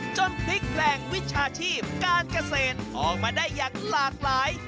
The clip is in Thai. พลิกแปลงวิชาชีพการเกษตรออกมาได้อย่างหลากหลาย